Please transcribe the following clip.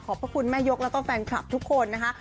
ขอบพระคุณแม่ยกและต้อนแฟนคลับทุกคนนะคะ